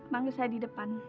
panggil saya di depan